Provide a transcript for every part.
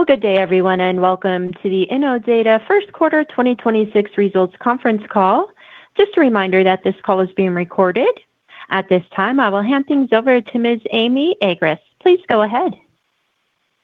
Well, good day everyone, and welcome to the Innodata first quarter 2026 results conference call. Just a reminder that this call is being recorded. At this time, I will hand things over to Ms. Amy Agress. Please go ahead.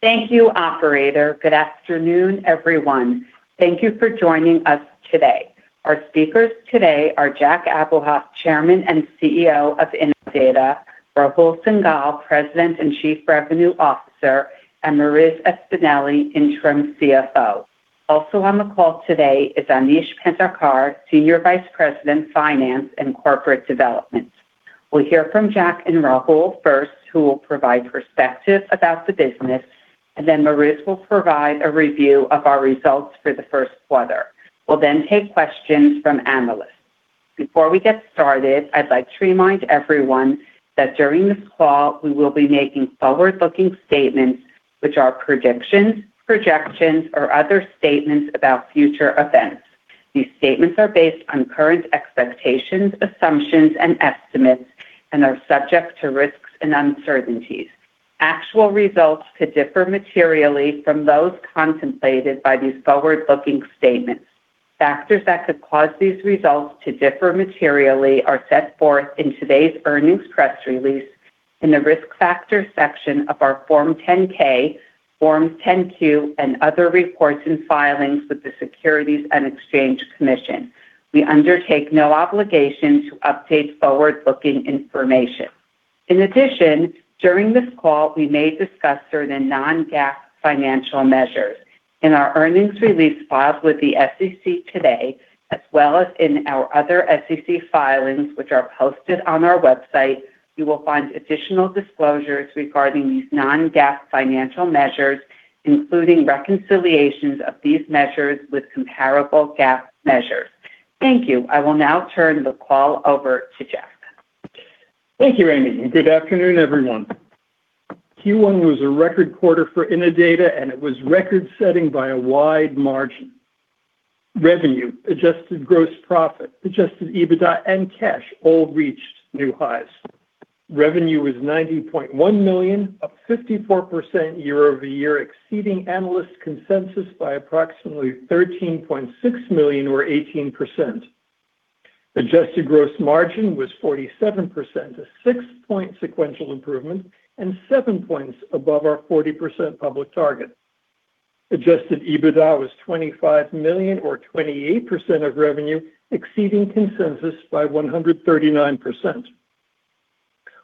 Thank you, Operator. Good afternoon, everyone. Thank you for joining us today. Our speakers today are Jack Abuhoff, Chairman and CEO of Innodata; Rahul Singhal, President and Chief Revenue Officer; and Marissa Espineli, Interim CFO. Also on the call today is Aneesh Pendharkar, Senior Vice President, Finance and Corporate Development. We'll hear from Jack and Rahul first, who will provide perspective about the business, and then Mariz will provide a review of our results for the first quarter. We'll take questions from analysts. Before we get started, I'd like to remind everyone that during this call, we will be making forward-looking statements which are predictions, projections, or other statements about future events. These statements are based on current expectations, assumptions, and estimates, and are subject to risks and uncertainties. Actual results could differ materially from those contemplated by these forward-looking statements. Factors that could cause these results to differ materially are set forth in today's earnings press release in the Risk Factors section of our Form 10-K, Form 10-Q, and other reports and filings with the Securities and Exchange Commission. We undertake no obligation to update forward-looking information. In addition, during this call, we may discuss certain non-GAAP financial measures. In our earnings release filed with the SEC today, as well as in our other SEC filings which are posted on our website, you will find additional disclosures regarding these non-GAAP financial measures, including reconciliations of these measures with comparable GAAP measures. Thank you. I will now turn the call over to Jack. Thank you, Amy. Good afternoon, everyone. Q1 was a record quarter for Innodata. It was record-setting by a wide margin. Revenue, adjusted gross profit, adjusted EBITDA, and cash all reached new highs. Revenue was $90.1 million, up 54% year-over-year, exceeding analyst consensus by approximately $13.6 million or 18%. Adjusted gross margin was 47%, a 6-point sequential improvement, and 7 points above our 40% public target. Adjusted EBITDA was $25 million or 28% of revenue, exceeding consensus by 139%.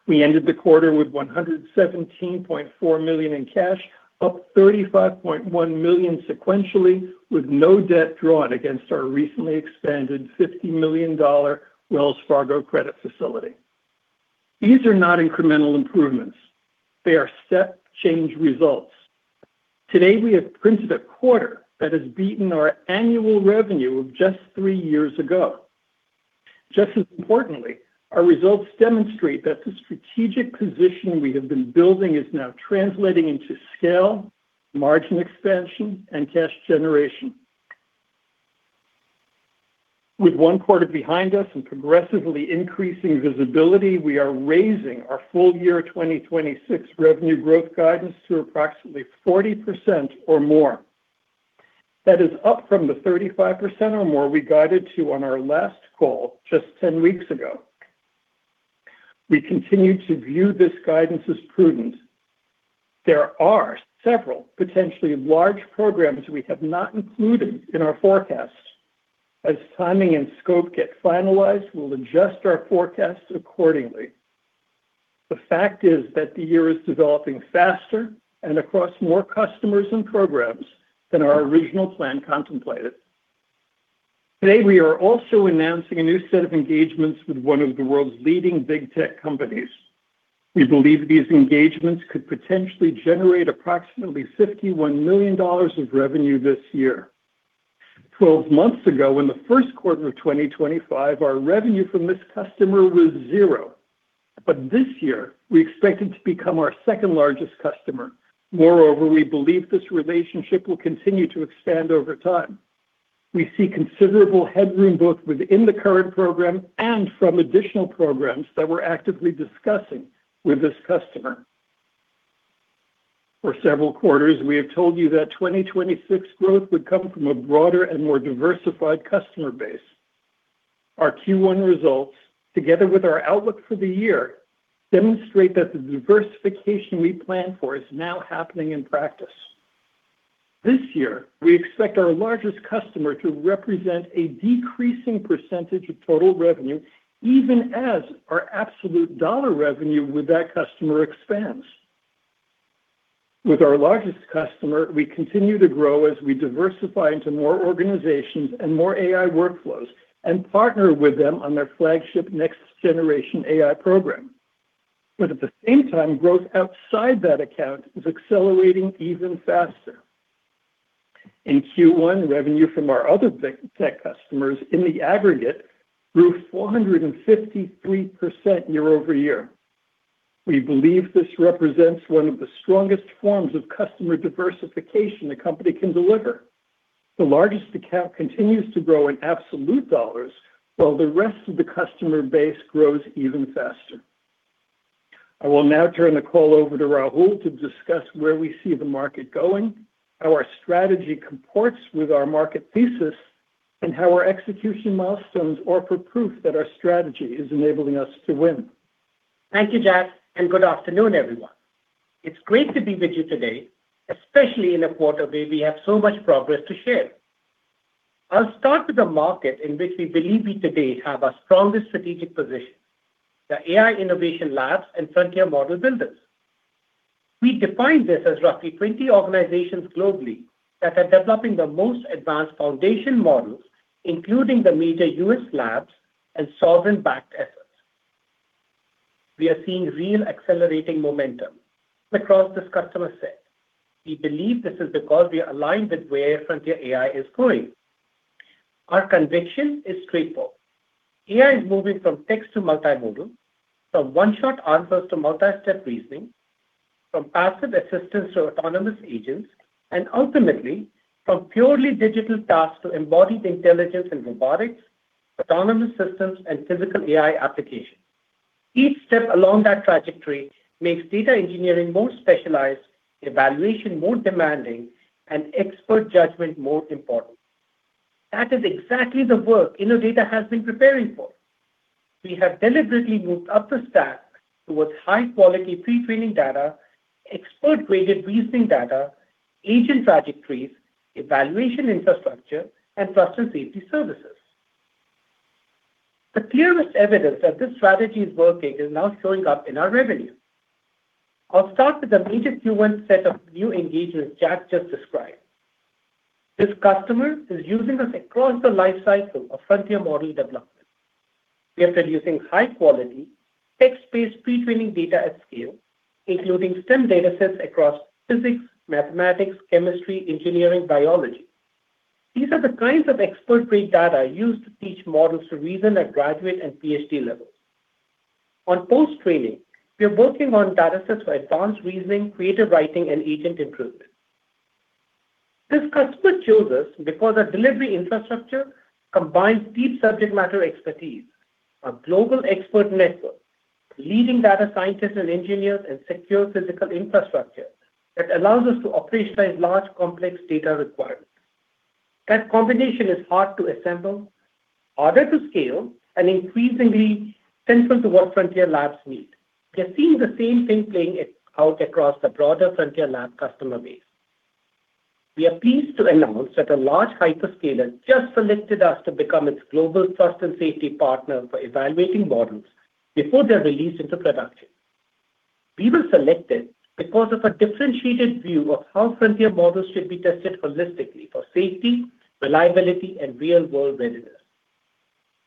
We ended the quarter with $117.4 million in cash, up $35.1 million sequentially, with no debt drawn against our recently expanded $50 million Wells Fargo credit facility. These are not incremental improvements. They are step change results. Today, we have printed a quarter that has beaten our annual revenue of just three years ago. Just as importantly, our results demonstrate that the strategic position we have been building is now translating into scale, margin expansion, and cash generation. With one quarter behind us and progressively increasing visibility, we are raising our full year 2026 revenue growth guidance to approximately 40% or more. That is up from the 35% or more we guided to on our last call just 10 weeks ago. We continue to view this guidance as prudent. There are several potentially large programs we have not included in our forecast. As timing and scope get finalized, we'll adjust our forecast accordingly. The fact is that the year is developing faster and across more customers and programs than our original plan contemplated. Today, we are also announcing a new set of engagements with one of the world's leading big tech companies. We believe these engagements could potentially generate approximately $51 million of revenue this year. 12 months ago, in the first quarter of 2025, our revenue from this customer was zero. This year, we expect it to become our second-largest customer. Moreover, we believe this relationship will continue to expand over time. We see considerable headroom both within the current program and from additional programs that we're actively discussing with this customer. For several quarters, we have told you that 2026 growth would come from a broader and more diversified customer base. Our Q1 results, together with our outlook for the year, demonstrate that the diversification we planned for is now happening in practice. This year, we expect our largest customer to represent a decreasing percentage of total revenue, even as our absolute dollar revenue with that customer expands. With our largest customer, we continue to grow as we diversify into more organizations and more AI workflows and partner with them on their flagship next-generation AI program. At the same time, growth outside that account is accelerating even faster. In Q1, revenue from our other big tech customers in the aggregate grew 453% year-over-year. We believe this represents one of the strongest forms of customer diversification a company can deliver. The largest account continues to grow in absolute dollars while the rest of the customer base grows even faster. I will now turn the call over to Rahul to discuss where we see the market going, how our strategy comports with our market thesis, and how our execution milestones offer proof that our strategy is enabling us to win. Thank you, Jack, and good afternoon, everyone. It's great to be with you today, especially in a quarter where we have so much progress to share. I'll start with the market in which we believe we today have our strongest strategic position, the AI innovation labs and frontier model builders. We define this as roughly 20 organizations globally that are developing the most advanced foundation models, including the major U.S. labs and sovereign-backed efforts. We are seeing real accelerating momentum across this customer set. We believe this is because we are aligned with where frontier AI is going. Our conviction is straightforward. AI is moving from text to multimodal, from one-shot answers to multi-step reasoning, from passive assistance to autonomous agents, and ultimately, from purely digital tasks to embodied intelligence and robotics, autonomous systems, and physical AI applications. Each step along that trajectory makes data engineering more specialized, evaluation more demanding, and expert judgment more important. That is exactly the work Innodata has been preparing for. We have deliberately moved up the stack towards high-quality pre-training data, expert-graded reasoning data, agent trajectories, evaluation infrastructure, and trust and safety services. The clearest evidence that this strategy is working is now showing up in our revenue. I'll start with the major Q1 set of new engagements Jack just described. This customer is using us across the life cycle of frontier model development. We are producing high-quality text-based pre-training data at scale, including STEM datasets across physics, mathematics, chemistry, engineering, biology. These are the kinds of expert-grade data used to teach models to reason at graduate and PhD levels. On post-training, we are working on datasets for advanced reasoning, creative writing, and agent improvement. This customer chose us because our delivery infrastructure combines deep subject matter expertise, a global expert network, leading data scientists and engineers, and secure physical infrastructure that allows us to operationalize large, complex data requirements. That combination is hard to assemble, harder to scale, and increasingly central to what frontier labs need. We are seeing the same thing playing it out across the broader frontier lab customer base. We are pleased to announce that a large hyperscaler just selected us to become its global trust and safety partner for evaluating models before they're released into production. We were selected because of a differentiated view of how frontier models should be tested holistically for safety, reliability, and real-world readiness.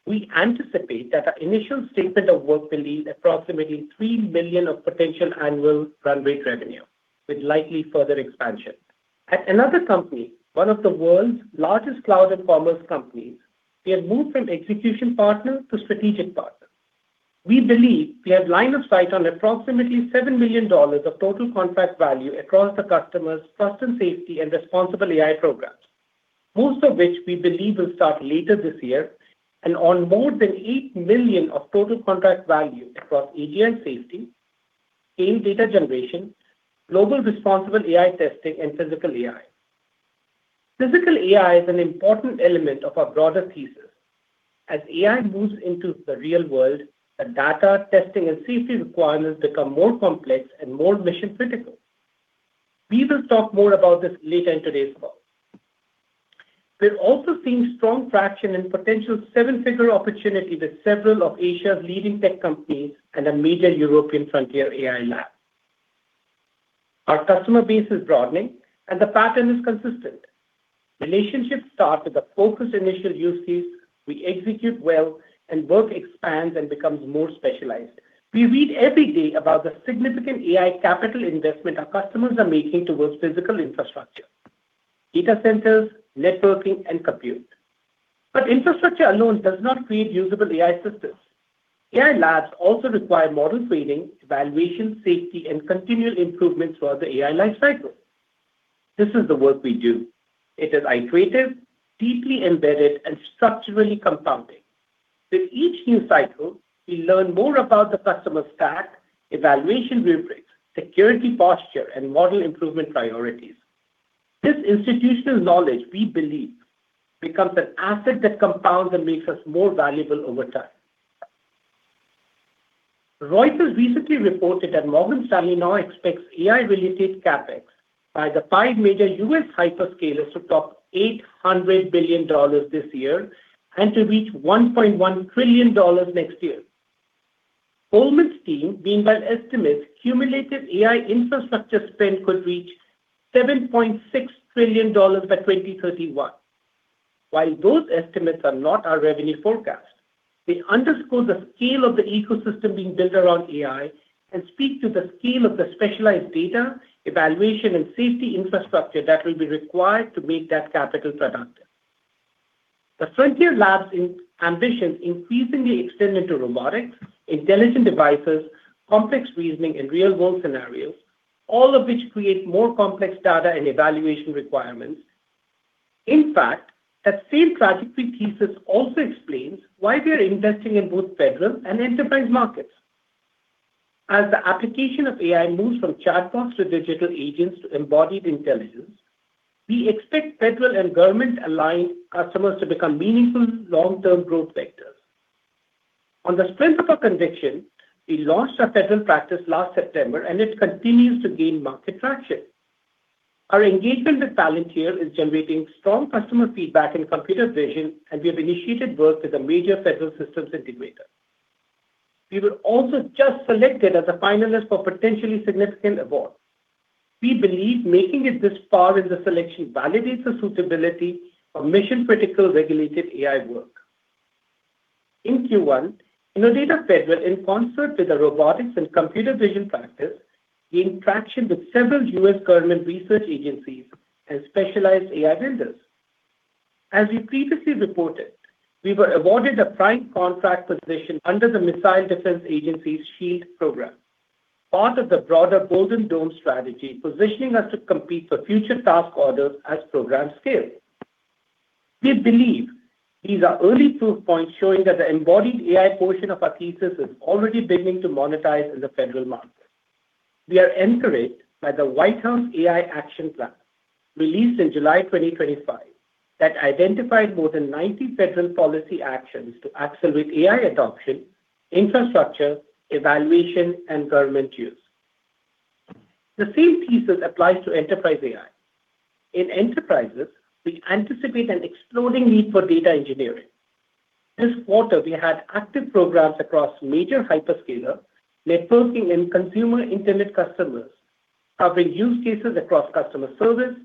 We anticipate that our initial statement of work will yield approximately $3 billion of potential annual run rate revenue, with likely further expansion. At another company, one of the world's largest cloud and commerce companies, we have moved from execution partner to strategic partner. We believe we have line of sight on approximately $7 million of total contract value across the customer's trust and safety and responsible AI programs, most of which we believe will start later this year, and on more than $8 million of total contract value across agent safety, game data generation, global responsible AI testing, and physical AI. physical AI is an important element of our broader thesis. As AI moves into the real world, the data, testing, and safety requirements become more complex and more mission-critical. We will talk more about this later in today's call. We're also seeing strong traction and potential seven-figure opportunity with several of Asia's leading tech companies and a major European frontier AI lab. Our customer base is broadening, and the pattern is consistent. Relationships start with a focused initial use case, we execute well, and work expands and becomes more specialized. We read every day about the significant AI capital investment our customers are making towards physical infrastructure, data centers, networking, and compute. Infrastructure alone does not create usable AI systems. AI labs also require model training, evaluation, safety, and continual improvement throughout the AI life cycle. This is the work we do. It is iterative, deeply embedded, and structurally compounding. With each new cycle, we learn more about the customer stack, evaluation rubrics, security posture, and model improvement priorities. This institutional knowledge, we believe, becomes an asset that compounds and makes us more valuable over time. Reuters recently reported that Morgan Stanley now expects AI-related CapEx by the five major U.S. hyperscalers to top $800 billion this year and to reach $1.1 trillion next year. Goldman's team meanwhile estimates cumulative AI infrastructure spend could reach $7.6 trillion by 2031. While those estimates are not our revenue forecast, they underscore the scale of the ecosystem being built around AI and speak to the scale of the specialized data, evaluation, and safety infrastructure that will be required to make that capital productive. The frontier labs ambition increasingly extend into robotics, intelligent devices, complex reasoning, and real-world scenarios, all of which create more complex data and evaluation requirements. In fact, that same strategic thesis also explains why we are investing in both federal and enterprise markets. As the application of AI moves from chatbots to digital agents to embodied intelligence, we expect federal and government-aligned customers to become meaningful long-term growth vectors. On the strength of our conviction, we launched our federal practice last September, and it continues to gain market traction. Our engagement with Palantir is generating strong customer feedback in computer vision, and we have initiated work with a major federal systems integrator. We were also just selected as a finalist for potentially significant award. We believe making it this far in the selection validates the suitability for mission-critical regulated AI work. In Q1, Innodata Federal, in concert with the robotics and computer vision practice, gained traction with several U.S. government research agencies and specialized AI vendors. As we previously reported, we were awarded a prime contract position under the Missile Defense Agency's SHIELD program, part of the broader Golden Dome] strategy, positioning us to compete for future task orders as programs scale. We believe these are early proof points showing that the embodied AI portion of our thesis is already beginning to monetize in the federal market. We are encouraged by the White House AI Action Plan, released in July 2025, that identified more than 90 federal policy actions to accelerate AI adoption, infrastructure, evaluation, and government use. The same thesis applies to enterprise AI. In enterprises, we anticipate an exploding need for data engineering. This quarter, we had active programs across major hyperscaler, networking, and consumer internet customers, covering use cases across customer service,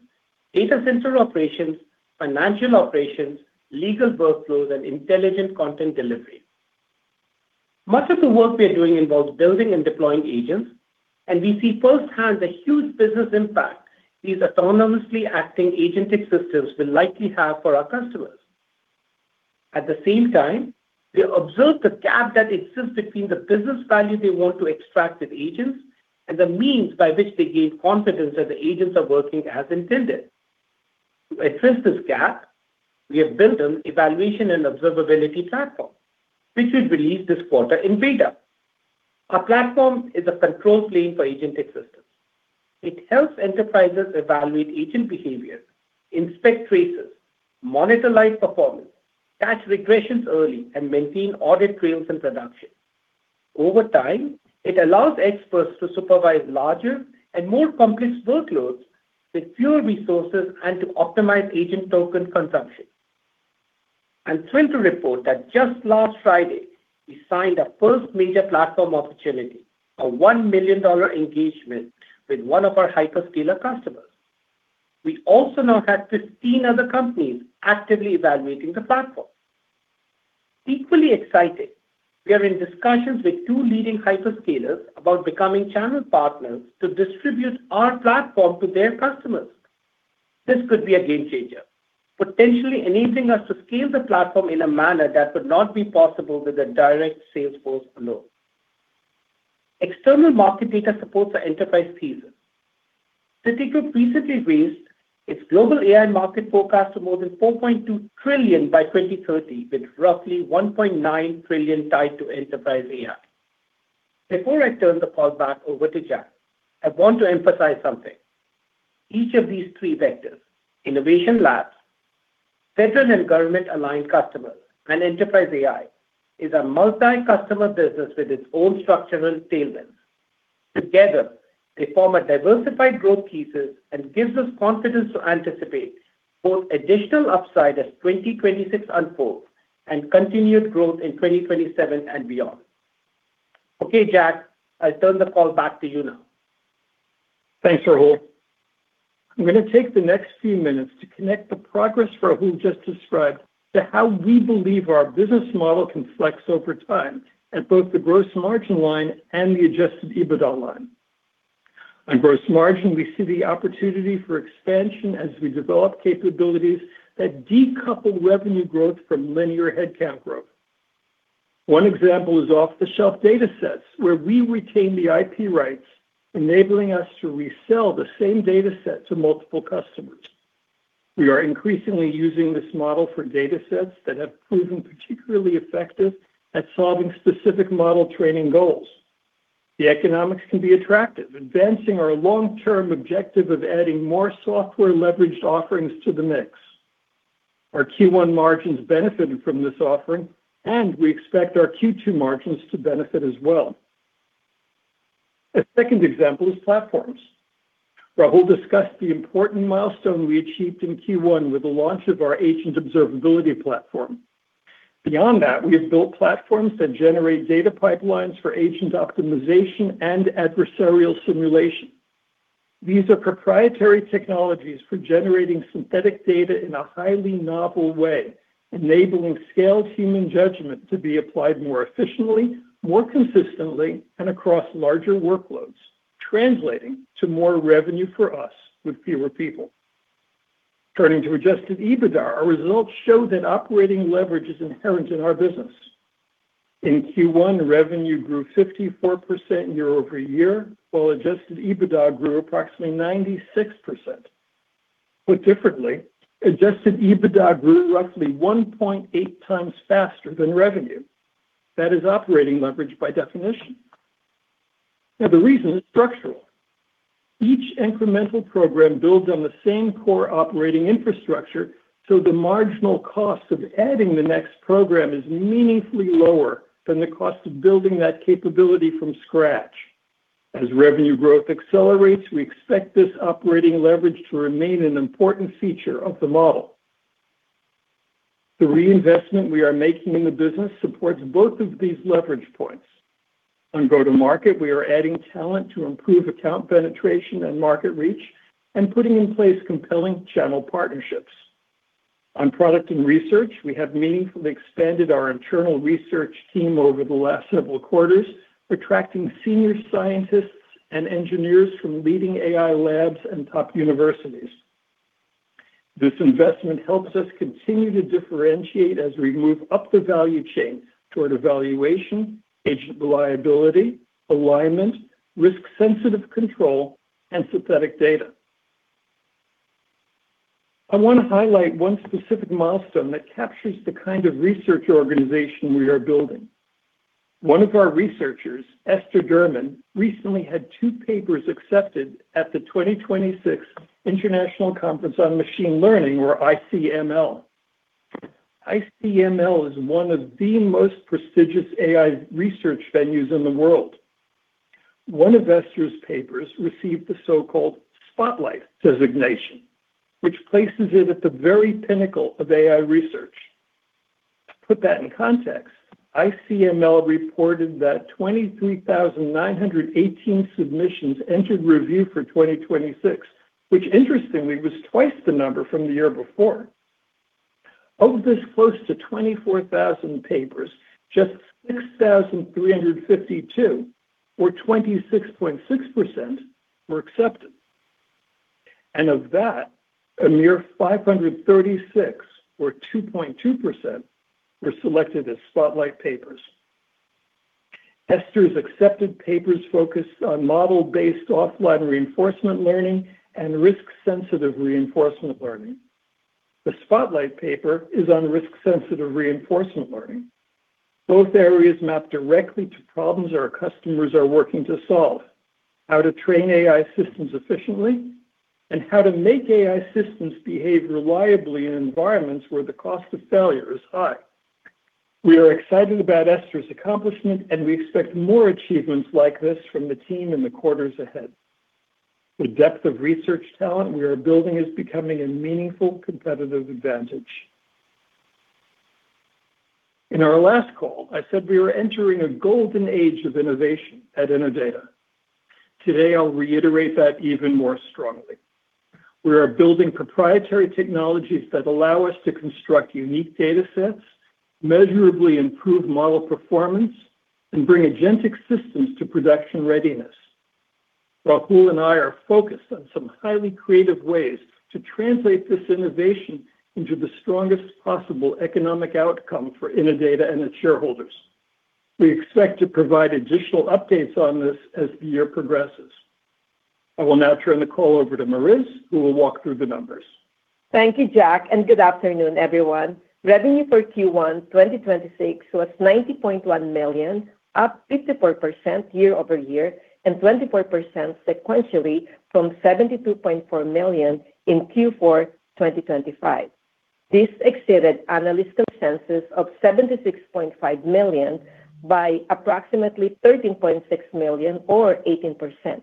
data center operations, financial operations, legal workflows, and intelligent content delivery. Much of the work we are doing involves building and deploying agents, and we see firsthand the huge business impact these autonomously acting agentic systems will likely have for our customers. At the same time, we observe the gap that exists between the business value they want to extract with agents and the means by which they gain confidence that the agents are working as intended. To address this gap, we have built an evaluation and observability platform, which we believe this quarter in beta. Our platform is a control plane for agentic systems. It helps enterprises evaluate agent behavior, inspect traces, monitor live performance, catch regressions early, and maintain audit trails and production. Over time, it allows experts to supervise larger and more complex workloads with fewer resources and to optimize agent token consumption. I'm thrilled to report that just last Friday, we signed our first major platform opportunity, a $1 million engagement with one of our hyperscaler customers. We also now have 15 other companies actively evaluating the platform. Equally exciting, we are in discussions with two leading hyperscalers about becoming channel partners to distribute our platform to their customers. This could be a game changer, potentially enabling us to scale the platform in a manner that would not be possible with a direct sales force alone. External market data supports our enterprise thesis. Citigroup recently raised its global AI market forecast to more than $4.2 trillion by 2030, with roughly $1.9 trillion tied to enterprise AI. Before I turn the call back over to Jack, I want to emphasize something. Each of these three vectors, innovation labs, Federal and government-aligned customers, and enterprise AI, is a multi-customer business with its own structural tailwinds. Together, they form a diversified growth thesis and gives us confidence to anticipate both additional upside as 2026 unfolds and continued growth in 2027 and beyond. Okay, Jack, I turn the call back to you now. Thanks, Rahul. I'm gonna take the next few minutes to connect the progress Rahul just described to how we believe our business model can flex over time at both the gross margin line and the adjusted EBITDA line. On gross margin, we see the opportunity for expansion as we develop capabilities that decouple revenue growth from linear headcount growth. One example is off-the-shelf datasets, where we retain the IP rights, enabling us to resell the same dataset to multiple customers. We are increasingly using this model for datasets that have proven particularly effective at solving specific model training goals. The economics can be attractive, advancing our long-term objective of adding more software-leveraged offerings to the mix. Our Q1 margins benefited from this offering, and we expect our Q2 margins to benefit as well. A second example is platforms. Rahul discussed the important milestone we achieved in Q1 with the launch of our Agent Observability platform. Beyond that, we have built platforms that generate data pipelines for agent optimization and adversarial simulation. These are proprietary technologies for generating synthetic data in a highly novel way, enabling scaled human judgment to be applied more efficiently, more consistently, and across larger workloads, translating to more revenue for us with fewer people. Turning to adjusted EBITDA, our results show that operating leverage is inherent in our business. In Q1, revenue grew 54% year-over-year, while adjusted EBITDA grew approximately 96%. Put differently, adjusted EBITDA grew roughly 1.8x faster than revenue. That is operating leverage by definition. The reason is structural. Each incremental program builds on the same core operating infrastructure. The marginal cost of adding the next program is meaningfully lower than the cost of building that capability from scratch. As revenue growth accelerates, we expect this operating leverage to remain an important feature of the model. The reinvestment we are making in the business supports both of these leverage points. On go-to-market, we are adding talent to improve account penetration and market reach and putting in place compelling channel partnerships. On product and research, we have meaningfully expanded our internal research team over the last several quarters, attracting senior scientists and engineers from leading AI labs and top universities. This investment helps us continue to differentiate as we move up the value chain toward evaluation, agent reliability, alignment, risk-sensitive control, and synthetic data. I want to highlight one specific milestone that captures the kind of research organization we are building. One of our researchers, Esther Derman, recently had two papers accepted at the 2026 International Conference on Machine Learning, or ICML. ICML is one of the most prestigious AI research venues in the world. One of Esther's papers received the so-called spotlight designation, which places it at the very pinnacle of AI research. To put that in context, ICML reported that 23,918 submissions entered review for 2026, which interestingly, was twice the number from the year before. Of this close to 24,000 papers, just 6,352, or 26.6%, were accepted. Of that, a mere 536, or 2.2%, were selected as spotlight papers. Esther's accepted papers focused on model-based offline reinforcement learning and risk-sensitive reinforcement learning. The spotlight paper is on risk-sensitive reinforcement learning. Both areas map directly to problems our customers are working to solve: how to train AI systems efficiently and how to make AI systems behave reliably in environments where the cost of failure is high. We are excited about Esther's accomplishment, and we expect more achievements like this from the team in the quarters ahead. The depth of research talent we are building is becoming a meaningful competitive advantage. In our last call, I said we were entering a golden age of innovation at Innodata. Today, I'll reiterate that even more strongly. We are building proprietary technologies that allow us to construct unique data sets, measurably improve model performance, and bring agentic systems to production readiness. Rahul and I are focused on some highly creative ways to translate this innovation into the strongest possible economic outcome for Innodata and its shareholders. We expect to provide additional updates on this as the year progresses. I will now turn the call over to Mariz, who will walk through the numbers. Thank you, Jack, and good afternoon, everyone. Revenue for Q1 2026 was $90.1 million, up 54% year-over-year and 24% sequentially from $72.4 million in Q4 2025. This exceeded analyst consensus of $76.5 million by approximately $13.6 million, or 18%.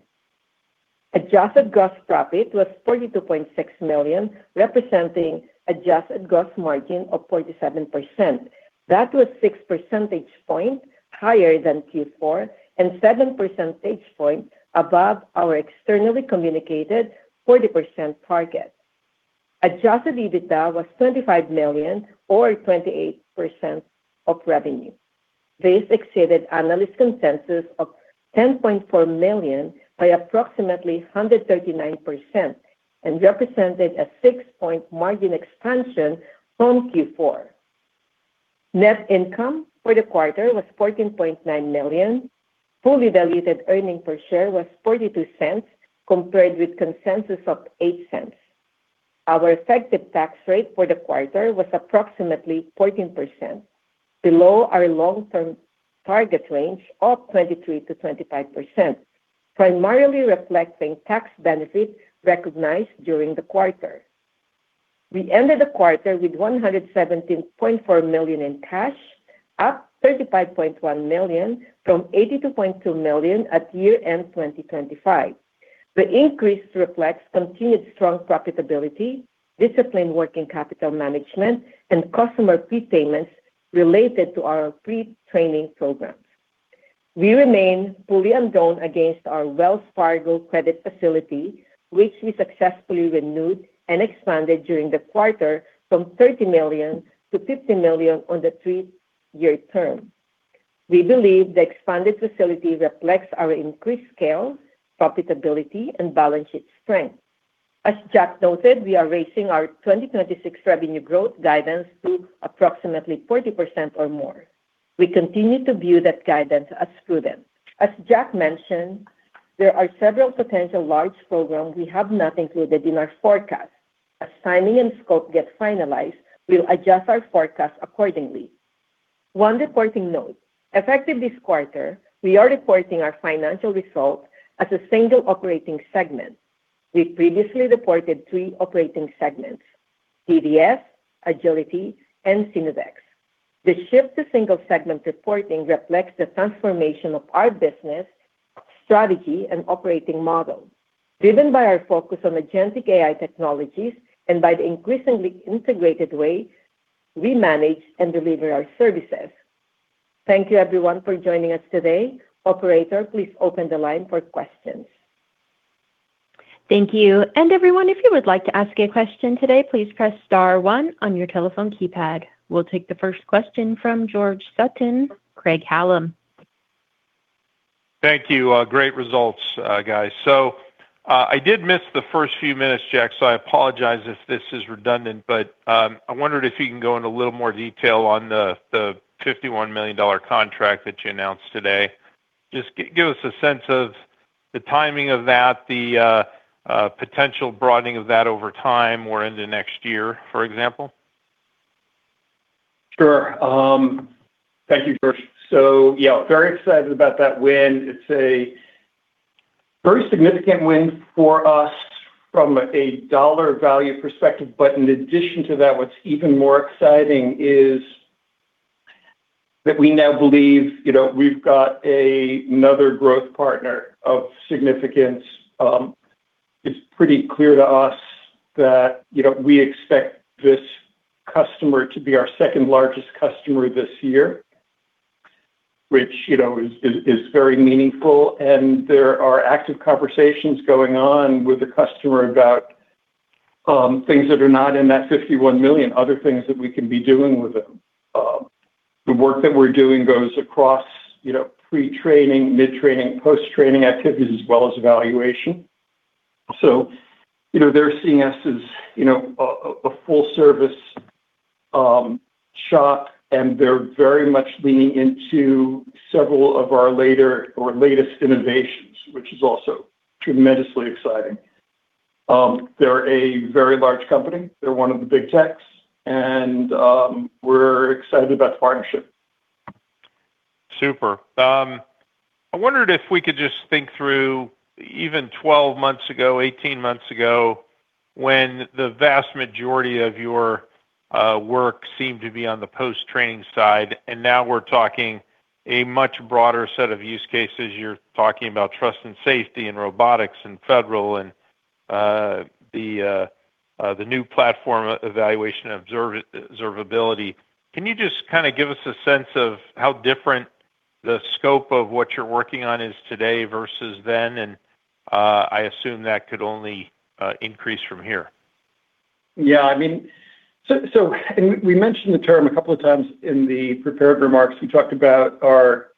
Adjusted gross profit was $42.6 million, representing adjusted gross margin of 47%. That was 6 percentage points higher than Q4 and 7 percentage points above our externally communicated 40% target. Adjusted EBITDA was $25 million or 28% of revenue. This exceeded analyst consensus of $10.4 million by approximately 139% and represented a 6-point margin expansion from Q4. Net income for the quarter was $14.9 million. Fully diluted earnings per share was $0.42, compared with consensus of $0.08. Our effective tax rate for the quarter was approximately 14%, below our long-term target range of 23%-25%, primarily reflecting tax benefit recognized during the quarter. We ended the quarter with $117.4 million in cash, up $35.1 million from $82.2 million at year-end 2025. The increase reflects continued strong profitability, disciplined working capital management, and customer prepayments related to our pre-training programs. We remain fully undrawn against our Wells Fargo credit facility, which we successfully renewed and expanded during the quarter from $30 million to $50 million on the three-year term. We believe the expanded facility reflects our increased scale, profitability, and balance sheet strength. As Jack noted, we are raising our 2026 revenue growth guidance to approximately 40% or more. We continue to view that guidance as prudent. As Jack mentioned, there are several potential large programs we have not included in our forecast. As timing and scope get finalized, we'll adjust our forecast accordingly. One reporting note. Effective this quarter, we are reporting our financial results as a single operating segment. We previously reported three operating segments, DDS, Agility, and Synodex. The shift to single segment reporting reflects the transformation of our business strategy and operating model, driven by our focus on agentic AI technologies and by the increasingly integrated way we manage and deliver our services. Thank you everyone for joining us today. Operator, please open the line for questions. Thank you. Everyone, if you would like to ask a question today, please press star one on your telephone keypad. We'll take the 1st question from George Sutton, Craig-Hallum. Thank you. Great results, guys. I did miss the first few minutes, Jack, so I apologize if this is redundant. I wondered if you can go into a little more detail on the $51 million contract that you announced today. Just give us a sense of the timing of that, the potential broadening of that over time or into next year, for example. Sure. Thank you, George. Yeah, very excited about that win. It's a very significant win for us from a dollar value perspective. In addition to that, what's even more exciting is that we now believe, you know, we've got another growth partner of significance. It's pretty clear to us that, you know, we expect this customer to be our second largest customer this year, which, you know, is very meaningful. There are active conversations going on with the customer about things that are not in that $51 million, other things that we can be doing with them. The work that we're doing goes across, you know, pre-training, mid-training, post-training activities, as well as evaluation. They're seeing us as, you know, a full service shop, and they're very much leaning into several of our later or latest innovations, which is also tremendously exciting. They're a very large company. They're one of the big techs, and we're excited about the partnership. Super. I wondered if we could just think through even 12 months ago, 18 months ago, when the vast majority of your work seemed to be on the post-training side, and now we're talking a much broader set of use cases. You're talking about trust and safety and robotics and federal and the new platform evaluation observability. Can you just kind of give us a sense of how different the scope of what you're working on is today versus then? I assume that could only increase from here. Yeah, I mean, we mentioned the term a couple of times in the prepared remarks. We talked about our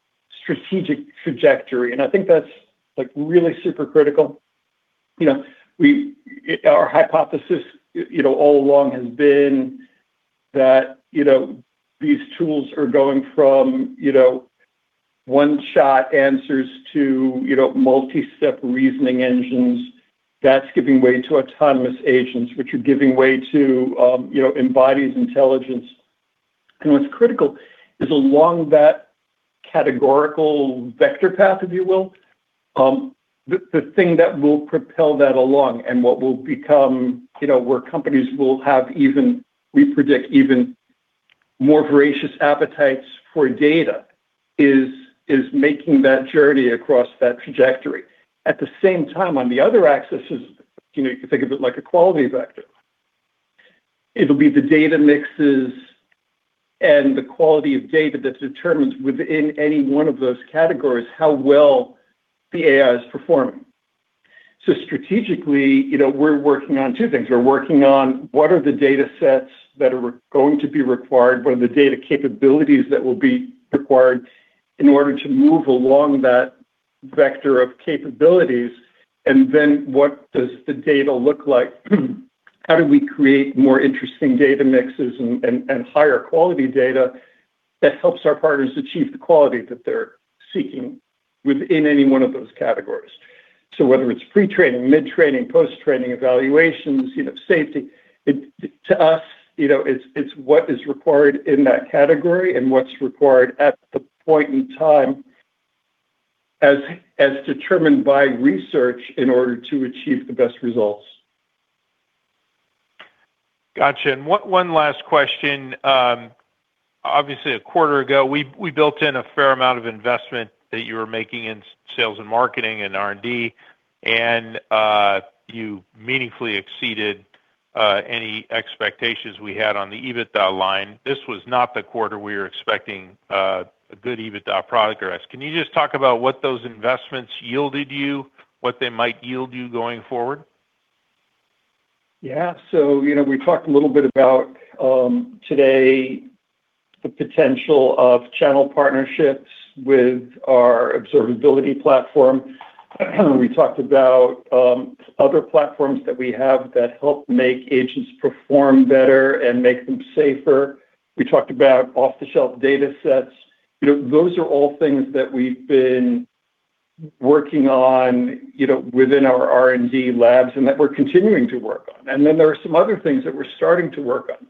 strategic trajectory, and I think that's, like, really super critical. You know, our hypothesis, you know, all along has been that, you know, these tools are going from, you know, one-shot answers to, you know, multi-step reasoning engines that's giving way to autonomous agents, which are giving way to, you know, embodied intelligence. What's critical is along that categorical vector path, if you will, the thing that will propel that along and what will become, you know, where companies will have we predict even more voracious appetites for data is making that journey across that trajectory. At the same time, on the other axis is, you know, you can think of it like a quality vector. It'll be the data mixes and the quality of data that determines within any one of those categories how well the AI is performing. Strategically, you know, we're working on two things. We're working on what are the data sets that are going to be required, what are the data capabilities that will be required in order to move along that vector of capabilities, and then what does the data look like? How do we create more interesting data mixes and higher quality data that helps our partners achieve the quality that they're seeking within any one of those categories? Whether it's pre-training, mid-training, post-training evaluations, you know, safety, to us, you know, it's what is required in that category and what's required at the point in time as determined by research in order to achieve the best results. Gotcha. One last question. Obviously a quarter ago, we built in a fair amount of investment that you were making in sales and marketing and R&D, you meaningfully exceeded any expectations we had on the EBITDA line. This was not the quarter we were expecting a good EBITDA progress. Can you just talk about what those investments yielded you, what they might yield you going forward? We talked a little bit about the potential of channel partnerships with our observability platform. We talked about other platforms that we have that help make agents perform better and make them safer. We talked about off-the-shelf data sets. You know, those are all things that we've been working on, you know, within our R&D labs and that we're continuing to work on. There are some other things that we're starting to work on.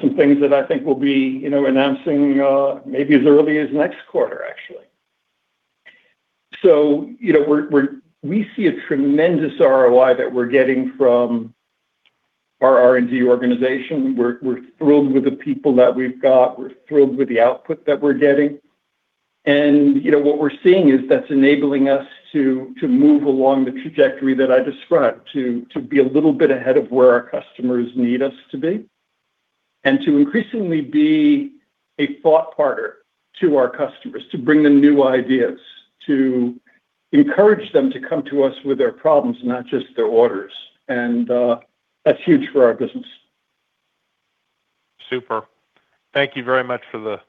Some things that I think we'll be, you know, announcing maybe as early as next quarter, actually. You know, we see a tremendous ROI that we're getting from our R&D organization. We're thrilled with the people that we've got. We're thrilled with the output that we're getting. You know, what we're seeing is that's enabling us to move along the trajectory that I described, to be a little bit ahead of where our customers need us to be, and to increasingly be a thought partner to our customers, to bring them new ideas, to encourage them to come to us with their problems, not just their orders. That's huge for our business. Super. Thank you very much for the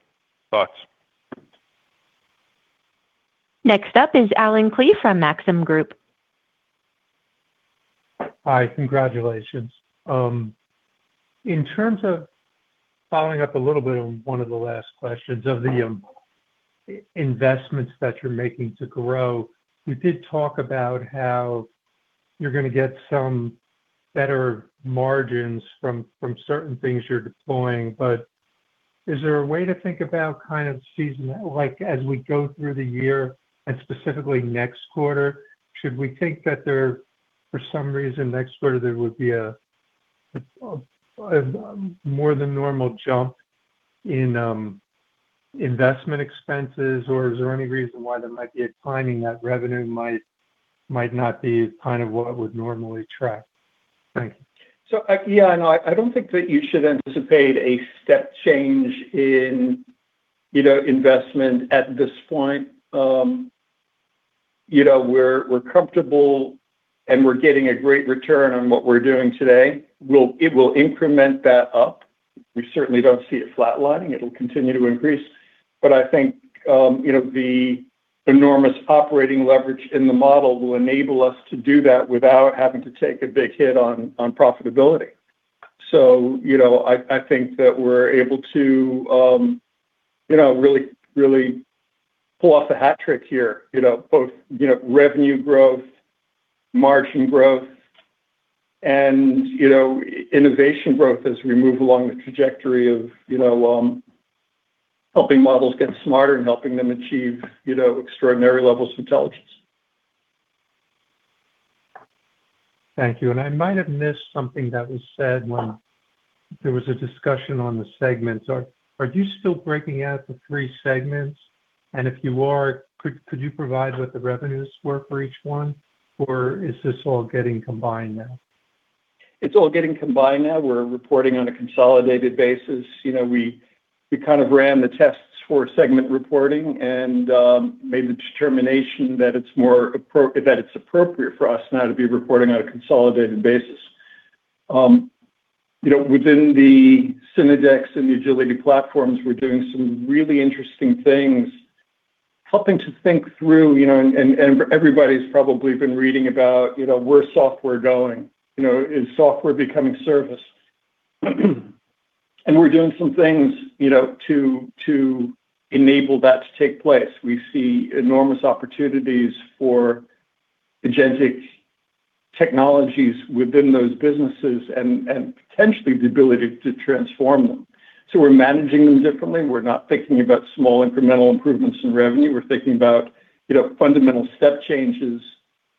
thoughts. Next up is Allen Klee from Maxim Group. Hi. Congratulations. In terms of following up a little bit on one of the last questions of the investments that you're making to grow, you did talk about how you're going to get some better margins from certain things you're deploying. Is there a way to think about kind of, as we go through the year and specifically next quarter, should we think that there, for some reason, next quarter, there would be a more than normal jump in investment expenses? Is there any reason why there might be a timing that revenue might not be kind of what it would normally track? Thank you. Yeah, no, I don't think that you should anticipate a step change in, you know, investment at this point. You know, we're comfortable, and we're getting a great return on what we're doing today. It will increment that up. We certainly don't see it flatlining. It'll continue to increase. I think, you know, the enormous operating leverage in the model will enable us to do that without having to take a big hit on profitability. You know, I think that we're able to, you know, really pull off a hat trick here, you know. Both, you know, revenue growth, margin growth, and, you know, innovation growth as we move along the trajectory of, you know, helping models get smarter and helping them achieve, you know, extraordinary levels of intelligence. Thank you. I might have missed something that was said when there was a discussion on the segments. Are you still breaking out the three segments? If you are, could you provide what the revenues were for each one? Is this all getting combined now? It's all getting combined now. We're reporting on a consolidated basis. You know, we kind of ran the tests for segment reporting and made the determination that it's appropriate for us now to be reporting on a consolidated basis. You know, within the Synodex and Agility platforms, we're doing some really interesting things, helping to think through, you know, and everybody's probably been reading about, you know, where's software going. You know, is software becoming service? We're doing some things, you know, to enable that to take place. We see enormous opportunities for agentic technologies within those businesses and potentially the ability to transform them. We're managing them differently. We're not thinking about small incremental improvements in revenue. We're thinking about, you know, fundamental step changes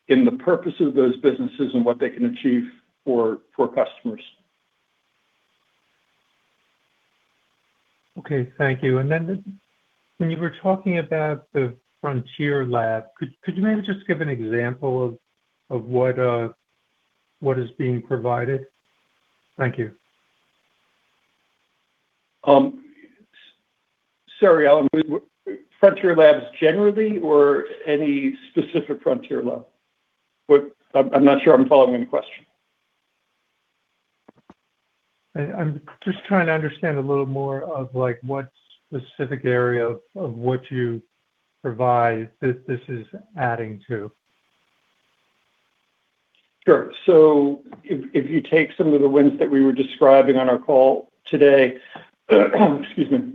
in the purpose of those businesses and what they can achieve for customers. Okay. Thank you. When you were talking about the frontier lab, could you maybe just give an example of what is being provided? Thank you. Sorry, Allen. Frontier labs generally or any specific frontier lab? I'm not sure I'm following the question. I'm just trying to understand a little more of, like, what specific area of what you provide this is adding to. Sure. If you take some of the wins that we were describing on our call today, excuse me.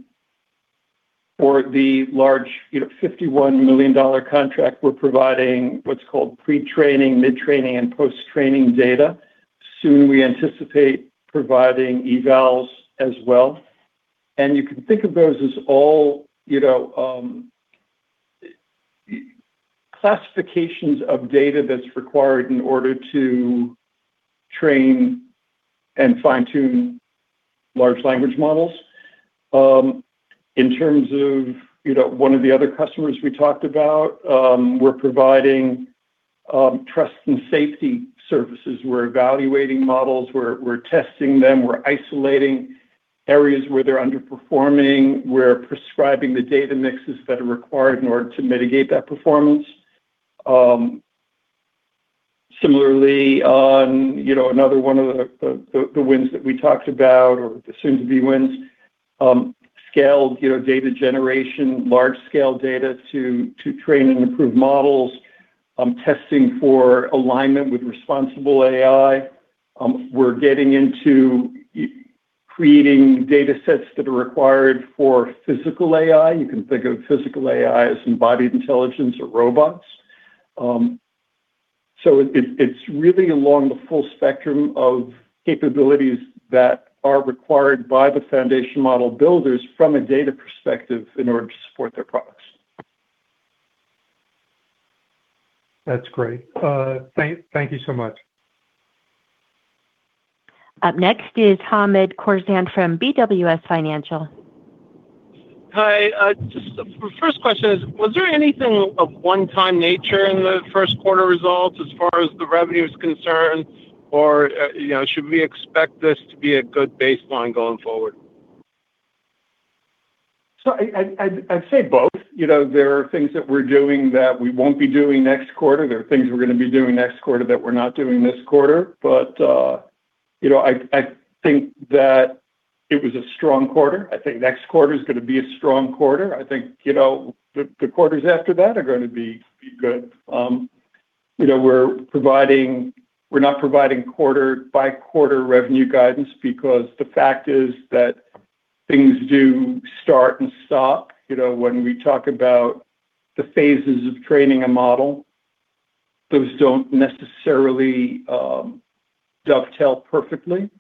For the large, you know, $51 million contract, we're providing what's called pre-training, mid-training, and post-training data. Soon, we anticipate providing evals as well. You can think of those as all, you know, classifications of data that's required in order to train and fine-tune large language models. In terms of, you know, one of the other customers we talked about, we're providing trust and safety services. We're evaluating models. We're testing them. We're isolating areas where they're underperforming. We're prescribing the data mixes that are required in order to mitigate that performance. Similarly on, you know, another one of the wins that we talked about or the soon-to-be wins, scaled, you know, data generation, large scale data to train and improve models, testing for alignment with Responsible AI. We're getting into creating data sets that are required for Physical AI. You can think of Physical AI as embodied intelligence or robots. It's really along the full spectrum of capabilities that are required by the foundation model builders from a data perspective in order to support their products. That's great. Thank you so much. Up next is Hamed Khorsand from BWS Financial. Hi. Just for first question is, was there anything of one time nature in the first quarter results as far as the revenue is concerned or, you know, should we expect this to be a good baseline going forward? I'd say both. You know, there are things that we're doing that we won't be doing next quarter. There are things we're gonna be doing next quarter that we're not doing this quarter. You know, I think that it was a strong quarter. I think next quarter is gonna be a strong quarter. I think, you know, the quarters after that are gonna be good. You know, we're not providing quarter by quarter revenue guidance because the fact is that things do start and stop. You know, when we talk about the phases of training a model, those don't necessarily dovetail perfectly.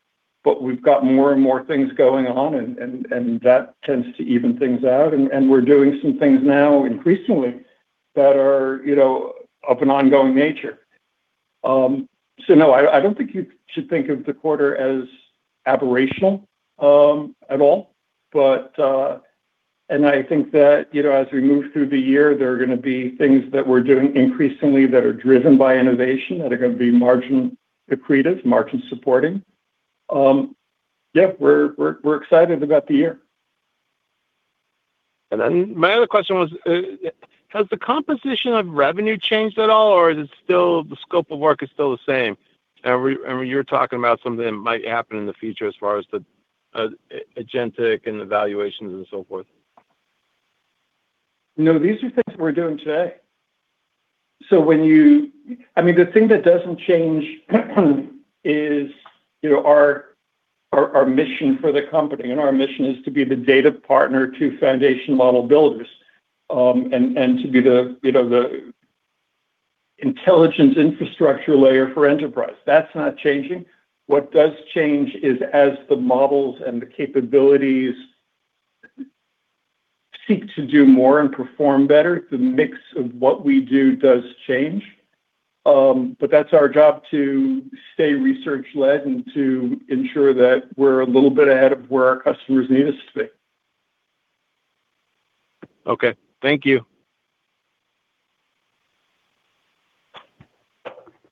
We've got more and more things going on, and that tends to even things out. We're doing some things now increasingly that are, you know, of an ongoing nature. No, I don't think you should think of the quarter as aberrational at all. I think that, you know, as we move through the year, there are gonna be things that we're doing increasingly that are driven by innovation, that are gonna be margin accretive, margin supporting. Yeah, we're excited about the year. My other question was, has the composition of revenue changed at all, or is it still the scope of work is still the same? I mean, you're talking about something that might happen in the future as far as the agentic and evaluations and so forth. No, these are things that we're doing today. When I mean, the thing that doesn't change is, you know, our mission for the company. Our mission is to be the data partner to foundation model builders, and to be the, you know, the intelligence infrastructure layer for enterprise. That's not changing. What does change is as the models and the capabilities seek to do more and perform better, the mix of what we do does change. That's our job to stay research-led and to ensure that we're a little bit ahead of where our customers need us to be. Okay. Thank you.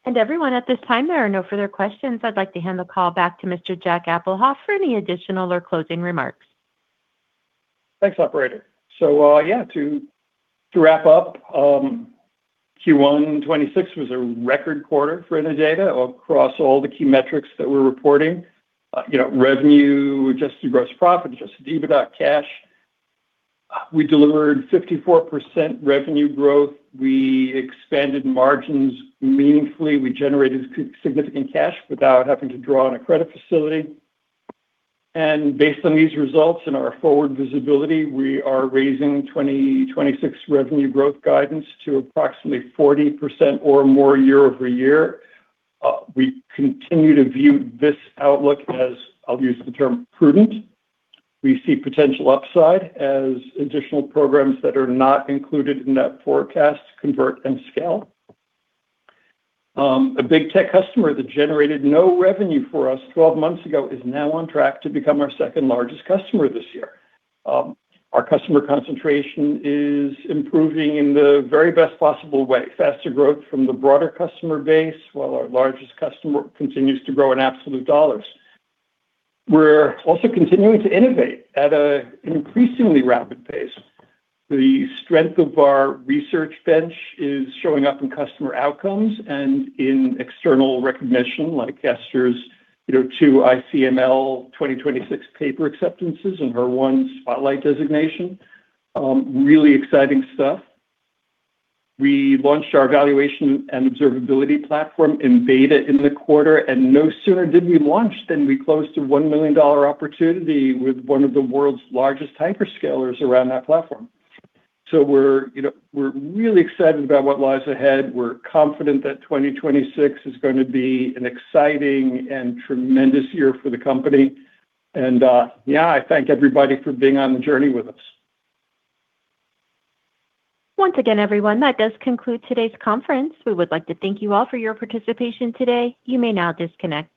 Everyone, at this time, there are no further questions. I'd like to hand the call back to Mr. Jack Abuhoff for any additional or closing remarks. Thanks, Operator. To wrap up, Q1 2026 was a record quarter for Innodata across all the key metrics that we're reporting. You know, revenue, adjusted gross profit, adjusted EBITDA, cash. We delivered 54% revenue growth. We expanded margins meaningfully. We generated significant cash without having to draw on a credit facility. Based on these results and our forward visibility, we are raising 2026 revenue growth guidance to approximately 40% or more year-over-year. We continue to view this outlook as, I'll use the term, prudent. We see potential upside as additional programs that are not included in that forecast convert and scale. A big tech customer that generated no revenue for us 12 months ago is now on track to become our second-largest customer this year. Our customer concentration is improving in the very best possible way. Faster growth from the broader customer base, while our largest customer continues to grow in absolute dollars. We're also continuing to innovate at a increasingly rapid pace. The strength of our research bench is showing up in customer outcomes and in external recognition like Esther's, you know, two ICML 2026 paper acceptances and her one spotlight designation. Really exciting stuff. We launched our Agent Observability platform in beta in the quarter. No sooner did we launch than we closed a $1 million opportunity with one of the world's largest hyperscalers around that platform. We're, you know, we're really excited about what lies ahead. We're confident that 2026 is gonna be an exciting and tremendous year for the company. Yeah, I thank everybody for being on the journey with us. Once again, everyone, that does conclude today's conference. We would like to thank you all for your participation today. You may now disconnect.